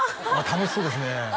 楽しそうですね